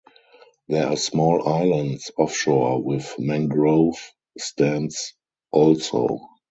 There are small islands offshore with mangrove stands also.